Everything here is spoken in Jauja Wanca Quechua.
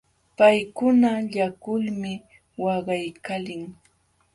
Paykuna llakulmi waqaykalin.